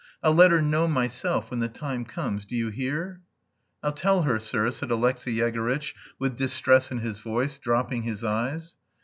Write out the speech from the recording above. I'll let her know myself, when the time comes. Do you hear?" "I'll tell her, sir," said Alexey Yegorytch, with distress in his voice, dropping his eyes.